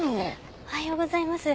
おはようございます。